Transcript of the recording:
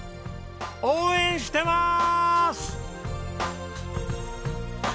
応援してます！